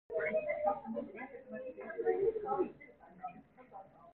귀기가 사람을 엄습하는 듯한 그 힘과 방분스런 표현과 야성